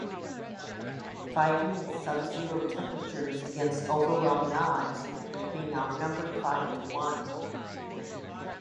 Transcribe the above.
Fighting in sub-zero temperatures against overwhelming odds, being outnumbered five to one.